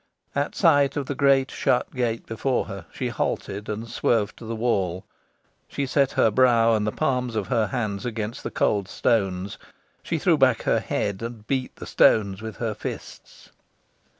At sight of the great shut gate before her, she halted, and swerved to the wall. She set her brow and the palms of her hands against the cold stones. She threw back her head, and beat the stones with her fists.